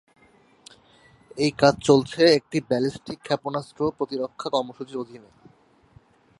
এই কাজ চলছে একটি ব্যালিস্টিক ক্ষেপণাস্ত্র প্রতিরক্ষা কর্মসূচির অধীনে।